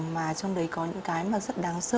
mà trong đấy có những cái rất đáng sợ